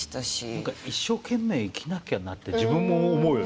何か一生懸命生きなきゃなって自分も思うよね